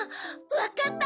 わかった！